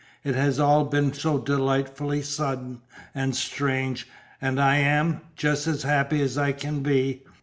It has all been so delightfully sudden, and strange, and I am just as happy as I can be.